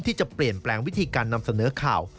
ที่จะเปลี่ยนแปลงวิธีการนำเสนอข่าว